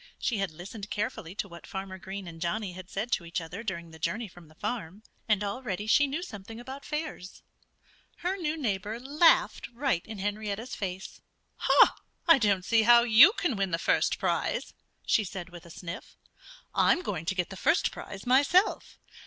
She had listened carefully to what Farmer Green and Johnnie had said to each other during the journey from the farm. And already she knew something about fairs. Her new neighbor laughed right in Henrietta's face. "I don't see how you can win the first prize," she said with a sniff. "I'm going to get the first prize myself.